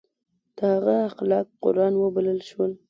د هغه اخلاق قرآن وبلل شول.